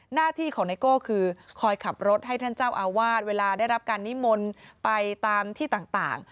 หน้าที่ของไนโก้คือคอยขับรถให้ท่านเจ้าอาวาสเวลาได้รับการนิมนต์ไปตามที่ต่าง